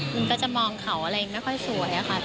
มันก็จะมองเขาอะไรไม่ค่อยสวยค่ะ